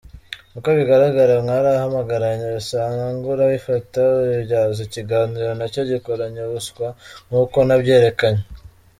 Uko bigaragara, mwarahamagaranye bisanzwe, urabifata ubibyaza ikiganiro na cyo gikoranye ubuswa nk’uko nabyerekanye.